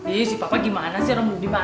iya si papa gimana sih orang mau dimasak